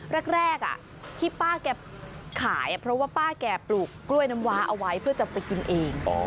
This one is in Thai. แรกที่ป้าแกขายเพราะว่าป้าแกปลูกกล้วยน้ำว้าเอาไว้เพื่อจะไปกินเอง